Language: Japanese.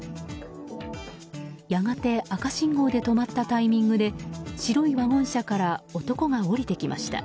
やがて赤信号で止まったタイミングで白いワゴン車から男が降りてきました。